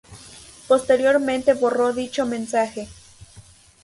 Posteriormente borró dicho mensaje.